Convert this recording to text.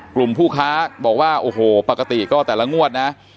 กลุ่มผู้ค้าบอกว่าโอ้โหปกติก็แต่ละงวดนะ